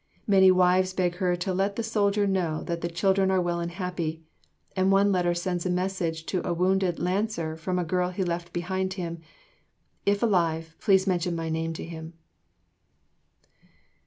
Many wives beg her to let the soldier know that the children are well and happy. And one letter sends a message to a wounded Lancer from the girl he left behind him, "If alive, please mention my name to him."